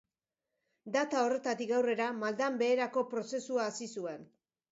Data horretatik aurrera maldan-beherako prozesua hasi zuen.